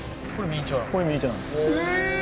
これ、ミニチュアなんです。